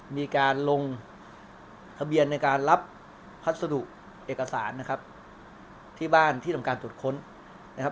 มีการลงทะเบียนในการรับพัสดุเอกสารนะครับที่บ้านที่ทำการตรวจค้นนะครับ